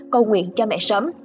cầu nguyện cho mẹ sớm